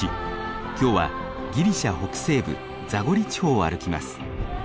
今日はギリシャ北西部ザゴリ地方を歩きます。